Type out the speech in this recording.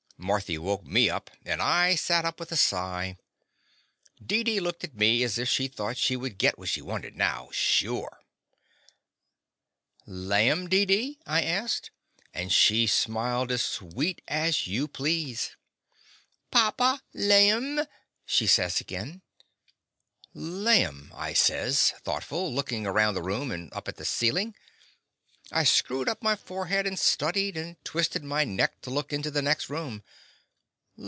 Marthy woke me up, and I sat up with a sigh. Deedee looked at me as if she thought she would git what she wanted now, sure. "Laim, Deedee"?" I asked, and she smiled as sweet as you please. The Confessions of a Daddy "Papa, laim!" she says again. "Laim!" I says, thoughtful, lookin' around the room and up at the ceilin'. I screwed up my forehead and studied, and twisted my neck to look into the next room.